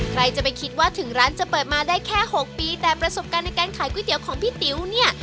ใครจะไปคิดว่าถึงร้านจะเปิดมาได้แค่๖ปีแต่ประสบการณ์ในการขายก๋วยเตี๋ยวของพี่ติ๋วเนี่ย